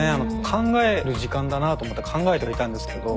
考える時間だなと思って考えてはいたんですけど。